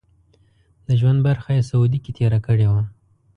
د ژوند برخه یې سعودي کې تېره کړې وه.